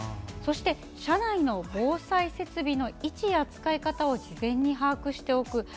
そして、社内の防災設備の位置や使い方を事前に把握しておく。